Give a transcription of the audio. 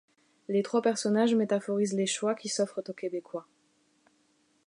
Les trois personnages métaphorisent les choix qui s’offrent aux québécois.